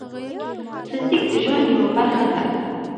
فزیک د ژوند یوه برخه ده.